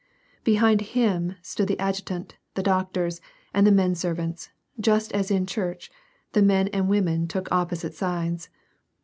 Behind him stood the adjutant, the doctors, and the men servants ; just as in church, the men and women took opposite sides.